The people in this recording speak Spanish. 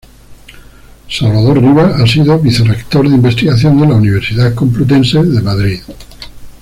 Salvador Rivas ha sido Vicerrector de investigación de la Universidad Complutense de Madrid.